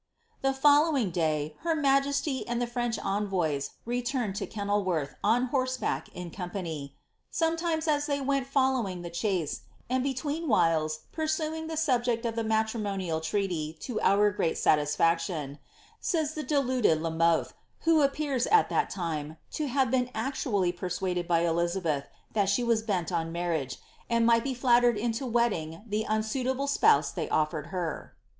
' The followiug day, her majesty and the French envovs returned W Kenilworth on horseback iu company, " sometimes as they went fullnW' ing the chase, and between whiles pursuing the subject of the matrimo nial treaty, to our great satisfaction," says the deluded La Miiihe, who appears, at that time, to have been actually persuaded by Elizabeth that she was bent on marriage, and might be flattered into wedding the un suitable spouse they offered her.